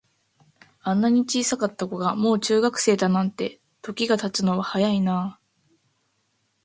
あんなに小さかった子が、もう中学生だなんて、時が経つのは早いなあ。